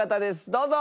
どうぞ！